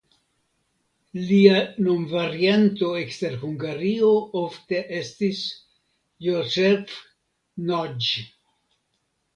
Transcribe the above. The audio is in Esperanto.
Lia nomvarianto ekster Hungario ofte estis "Joseph Nadj".